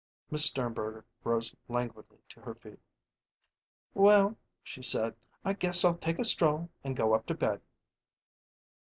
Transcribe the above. Miss Sternberger rose languidly to her feet. "Well," she said, "I guess I'll take a stroll and go up to bed."